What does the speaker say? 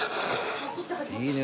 「いいね！